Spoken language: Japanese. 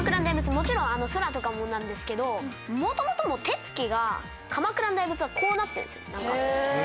もちろん空とかもなんですけど元々の手つきが鎌倉の大仏はこうなってるんですよ。